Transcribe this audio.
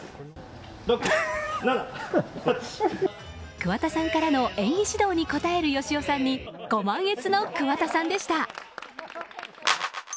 桑田さんからの演技指導に応えるヨシオさんにご満悦の桑田さんでした。